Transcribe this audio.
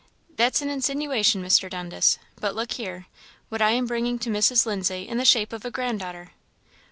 "That's an insinuation, Mr. Dundas; but look here, what I am bringing to Mrs. Lindsay in the shape of a grand daughter."